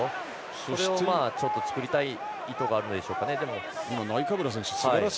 それをちょっと作りたい意図があるんでしょうかね。